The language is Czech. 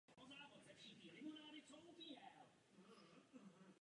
O čtyři roky později bylo prodlouženo na čtyřleté.